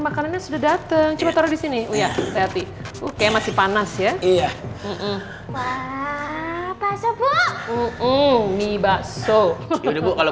makanan sudah datang di sini ya sehat itu kayak masih panas ya iya